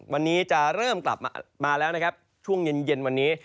วันนี้จะเริ่มกลับมาแล้วนะครับช่วงเย็นวันนี้